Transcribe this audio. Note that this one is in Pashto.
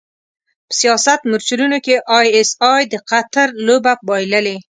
په سیاست مورچلونو کې ای ایس ای د قطر لوبه بایللې.